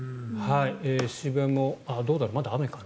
渋谷もどうだろう、まだ雨かな。